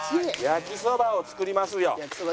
焼きそばを作りますよ。